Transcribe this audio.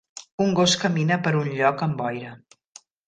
Un gos camina per un lloc amb boira.